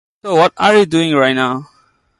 Pockets of the fire smoldered for several days.